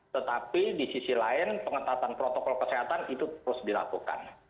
tetapi di sisi lain pengetatan protokol kesehatan itu terus dilakukan